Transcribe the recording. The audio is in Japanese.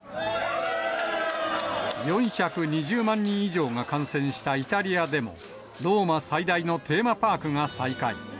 ４２０万人以上が感染したイタリアでも、ローマ最大のテーマパークが再開。